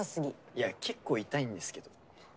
いや結構痛いんですけど。